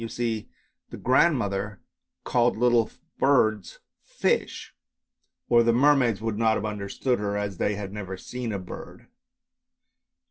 You see the grandmother called little birds fish, or THE MERMAID 3 the mermaids would not have understood her, as they had never seen a bird.